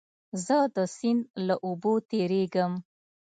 زه د سیند له اوبو تېرېږم.